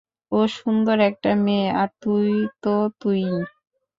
ও সুন্দর একটা মেয়ে, আর তুই তো তুইই।